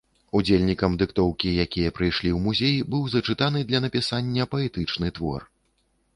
Удзельнікам дыктоўкі, якія прыйшлі ў музей, быў зачытаны для напісання паэтычны твор.